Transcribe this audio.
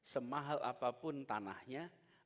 semahal apapun tanahnya